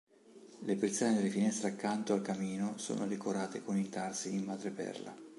Le persiane delle finestre accanto al camino sono decorate con intarsi in madreperla.